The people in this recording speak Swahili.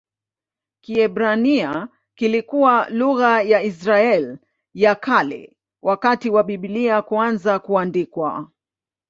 Kiebrania kilikuwa lugha ya Israeli ya Kale wakati wa Biblia kuanza kuandikwa.